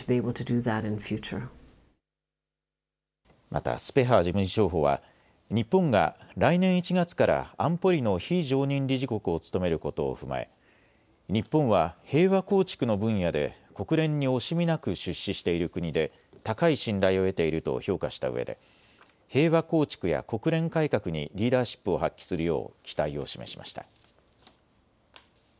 またスペハー事務次長補は日本が来年１月から安保理の非常任理事国を務めることを踏まえ日本は平和構築の分野で国連に惜しみなく出資している国で高い信頼を得ていると評価したうえで平和構築や国連改革にリーダーシップを発揮するよう期待を示しました。